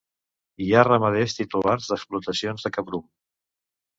Hi ha ramaders titulars d'explotacions de cabrum.